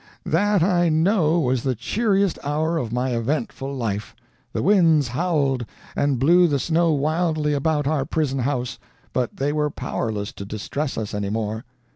That I know was the cheeriest hour of my eventful life. The winds howled, and blew the snow wildly about our prison house, but they were powerless to distress us any more.